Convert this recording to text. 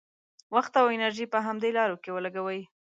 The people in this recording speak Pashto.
وخت او انرژي په همدې لارو کې ولګوي.